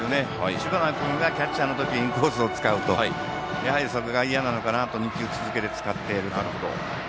知花君がキャッチャーの時にインコースを使うとやはりそこが嫌なのかなと２球続けていると。